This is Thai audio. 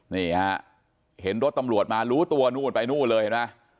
นี่ฮะเห็นรถตำรวจมารู้ตัวนู่นไปนู่นเลยเห็นไหม